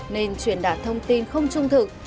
nên truyền đạt thông tin không trung thực